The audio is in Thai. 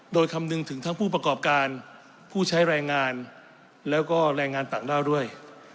โดยคำนึงถึงทั้งผู้ประกอบการผู้ใช้แรงงานแล้วก็แรงงานต่างด้าวด้วย